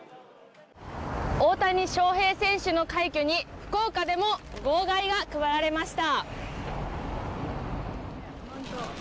大谷翔平選手の快挙に福岡でも号外が配られました。